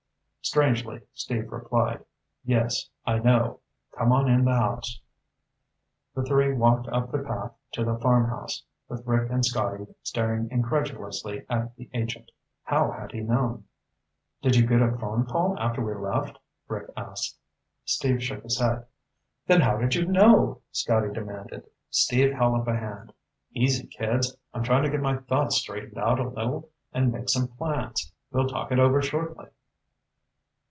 Strangely, Steve replied, "Yes, I know. Come on in the house." The three walked up the path to the farmhouse, with Rick and Scotty staring incredulously at the agent. How had he known? "Did you get a phone call after we left?" Rick asked. Steve shook his head. "Then how did you know?" Scotty demanded. Steve held up a hand. "Easy, kids. I'm trying to get my thoughts straightened out a little and make some plans. We'll talk it over shortly."